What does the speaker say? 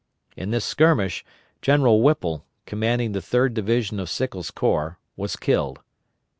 In this skirmish, General Whipple, commanding the Third Division of Sickles' corps, was killed.